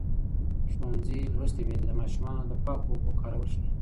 ښوونځې لوستې میندې د ماشومانو د پاکو اوبو کارول ښيي.